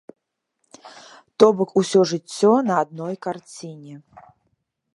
То бок, усё жыццё на адной карціне.